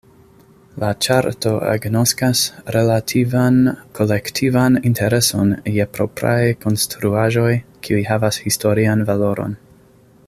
La ĉarto agnoskas relativan kolektivan intereson je propraj konstruaĵoj, kiuj havas historian valoron.